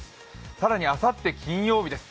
更にあさって金曜日です。